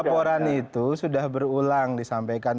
laporan itu sudah berulang disampaikan